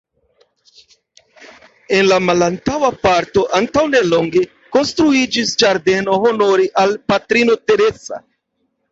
En la malantaŭa parto antaŭnelonge konstruiĝis ĝardeno honore al Patrino Teresa.